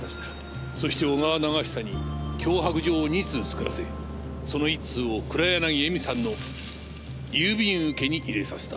そして小川長久に脅迫状を２通作らせその１通を黒柳恵美さんの郵便受けに入れさせた。